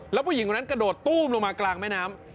แล้วผู้หญิงคนนั้นกระโดดตู้มลงมากลางแม่น้ำ